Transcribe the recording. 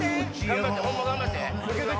ホンマ頑張って！